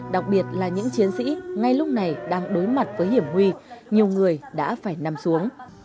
đặc biệt là những chiến sĩ ngay lúc này đang đối mặt với hiểm nguy nhiều người đã phải nằm xuống